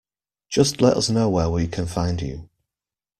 Just let us know where we can find you.